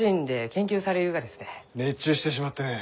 熱中してしまってね。